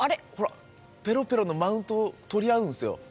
ほらペロペロのマウントを取り合うんすよ。